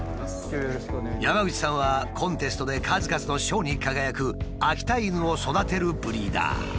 山口さんはコンテストで数々の賞に輝く秋田犬を育てるブリーダー。